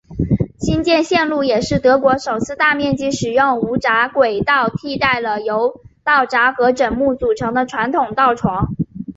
新建线路也是德国首次大面积使用无砟轨道替代了由道砟和枕木组成的传统道床。